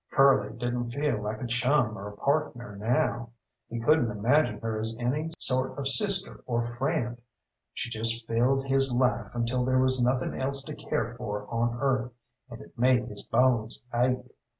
Curly didn't feel like a chum or a partner now; he couldn't imagine her as any sort of sister or friend. She just filled his life until there was nothing else to care for on earth, and it made his bones ache.